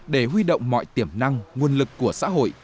để huy động mọi tiềm năng nguồn lực của xã hội